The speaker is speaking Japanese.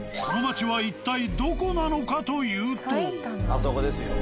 あそこですよ。